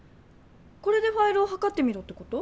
これでファイルをはかってみろってこと？